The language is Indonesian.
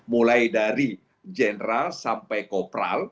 mulai dari general sampai kopral